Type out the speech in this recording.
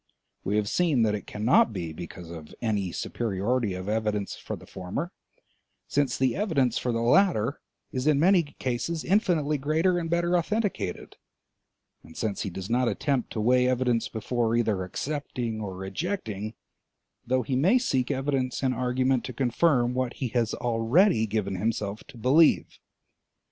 We have seen that it cannot be because of any superiority of evidence for the former, since the evidence for the latter is in many cases infinitely greater and better authenticated, and since he does not attempt to weigh evidence before either accepting or rejecting, though he may seek evidence and argument to confirm what he has already given himself to believe.